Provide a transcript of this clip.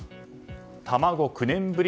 卵９年ぶり